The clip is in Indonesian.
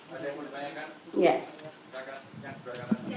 ada yang mau ditanyakan